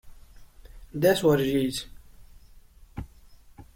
That’s what it is!